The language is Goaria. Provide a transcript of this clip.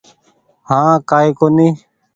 هآنٚ ڪآئي ڪونيٚ